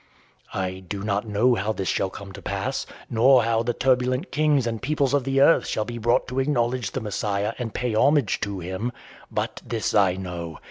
I do not know how this shall come to pass, nor how the turbulent kings and peoples of earth shall be brought to acknowledge the Messiah and pay homage to him. But this I know.